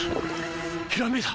ひらめいた！